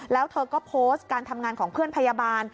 แล้วเธอก็โพสต์การทำงานของเพื่อนพยาบาล